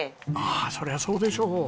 そりゃそうでしょう！